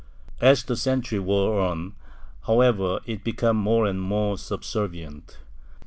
As the century wore on, however, it became more and more subservient.